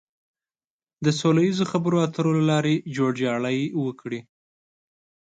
د سوله ييزو خبرو اترو له لارې جوړجاړی وکړي.